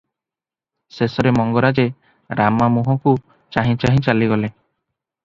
ଶେଷରେ ମଙ୍ଗରାଜେ ରାମା ମୁହକୁ ଚାହିଁ ଚାହିଁ ଚାଲିଗଲେ ।